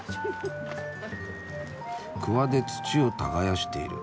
くわで土を耕している。